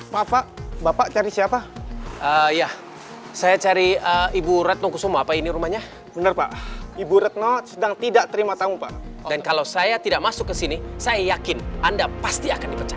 hai hai kepa bapak kediri siapa ayah saya cari ibu redno kusuma apa ini rumahnya benar pak ibu redno sedang tidak terima tamu pak dan kalau saya tidak masuk ke sini saya yakin anda pasti akan dipecat